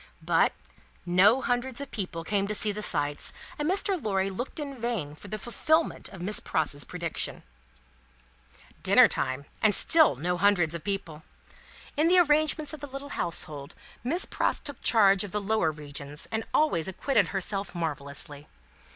But, no Hundreds of people came to see the sights, and Mr. Lorry looked in vain for the fulfilment of Miss Pross's prediction. Dinner time, and still no Hundreds of people. In the arrangements of the little household, Miss Pross took charge of the lower regions, and always acquitted herself marvellously.